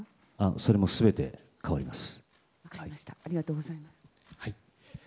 それも全て変わります。